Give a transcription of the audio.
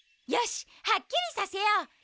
よしはっきりさせよう！